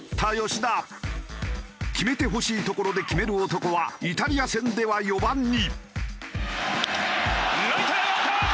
決めてほしいところで決める男はイタリア戦では４番に。